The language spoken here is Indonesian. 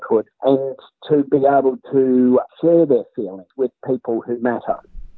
dan untuk bisa berbagi perasaan mereka dengan orang orang yang penting